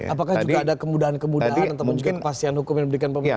apakah juga ada kemudahan kemudahan ataupun juga kepastian hukum yang diberikan pemerintah